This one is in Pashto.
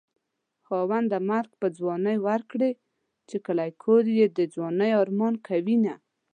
خاونده مرګ په ځوانۍ ورکړې چې کلی کور يې د ځوانۍ ارمان کوينه